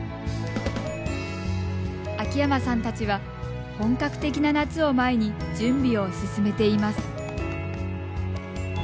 秋山さんたちは本格的な夏を前に準備を進めています。